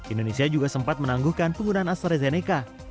indonesia juga sempat menangguhkan penggunaan astrazeneca